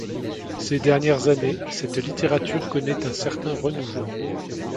Ces dernières années, cette littérature connaît un certain renouveau.